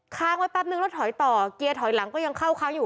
ค้างไว้แป๊บนึงแล้วถอยต่อเกียร์ถอยหลังก็ยังเข้าเขาอยู่